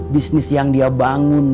bisnis yang dia bangun